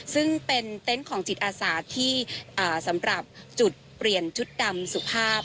ซึ่งเป็นเต็นต์ของจิตอาสาที่สำหรับจุดเปลี่ยนชุดดำสุภาพ